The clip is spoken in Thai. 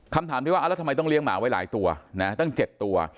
คำถามที่ว่าแล้วทำไมต้องเลี้ยงหมาไว้หลายตัวนะตั้ง๗ตัว